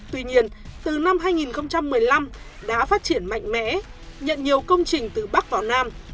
tuy nhiên từ năm hai nghìn một mươi năm đã phát triển mạnh mẽ nhận nhiều công trình từ bắc vào nam